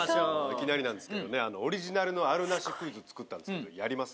いきなりなんですけどねオリジナルのあるなしクイズ作ったんですけどやります？